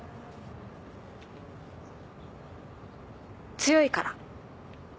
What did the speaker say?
強いから。